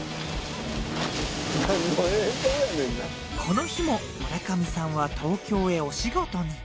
この日も村上さんは東京へお仕事に。